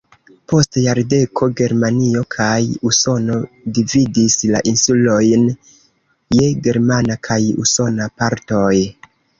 Post jardeko Germanio kaj Usono dividis la insulojn je germana kaj usona partoj.